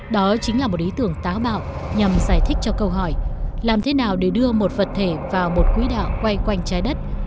đó chính là một ý tưởng táo bạo nhằm giải thích cho câu hỏi làm thế nào để đưa một vật thể vào một quỹ đạo quay quanh trái đất